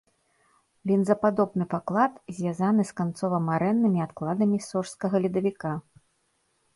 Лінзападобны паклад звязаны з канцова-марэннымі адкладамі сожскага ледавіка.